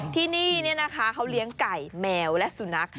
ที่นี่นะคะเขาเลี้ยงไก่แมวและสุนัข